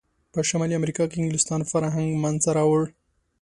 په شمالي امریکا کې انګلسان فرهنګ منځته راوړ.